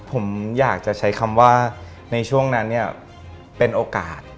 ผมอยากจะใช้คำว่าในช่วงนั้นเนี่ยเป็นโอกาส